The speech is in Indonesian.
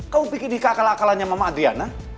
kamu pikir ini keakal akalannya mama adrian